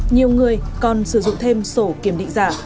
nhiều người còn sử dụng thêm sổ kiểm định giả